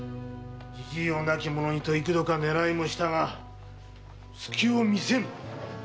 亡き者にと幾度か狙いもしたが隙を見せん！